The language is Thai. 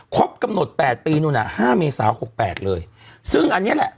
ครบกำหนดแปดปีนู้นอ่ะห้าเมษาหกแปดเลยซึ่งอันนี้แหละ